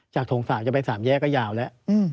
จากโถงสาวจะไปสามแยกก็ยาวแล้ว